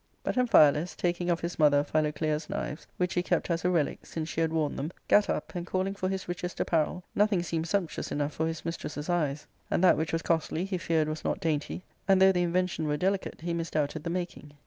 But Amphialus, taking of his mother Philoclea's knives, which he kept as a relic since she had worn them, gat up, and calling for his richest apparel, nothing seemed sumptuous enough for his mistress's eyes, and that which was costly he feared was not dainty, and, though the invention were deli cate, he misdoubted the making.